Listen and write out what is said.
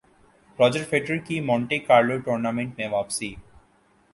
Roger Federer کی Monte Carlo tournament میں واپسی